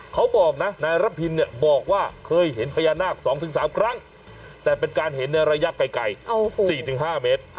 เขาบอกนะนายระพินเนี่ยบอกว่าเคยเห็นพญานาค๒๓ครั้งแต่เป็นการเห็นในระยะไกล๔๕เมตร